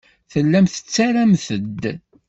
Tellamt tettarramt-d.